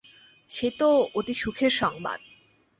সে তো অতি সুখের সংবাদ।